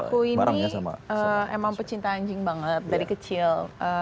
aku ini emang pecinta anjing banget dari kecil